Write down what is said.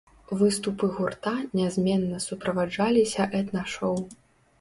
Выступы гурта нязменна суправаджаліся этна-шоў.